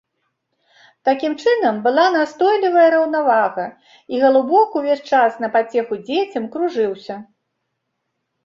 Такім чынам, была настойлівая раўнавага, і галубок увесь час на пацеху дзецям кружыўся.